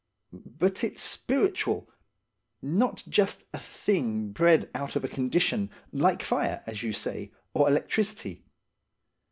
But it s spiritual, not just a thing bred out of a condition, like fire, as you say, or electricity.